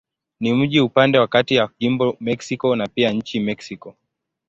Ni mji upande wa kati ya jimbo Mexico na pia nchi Mexiko.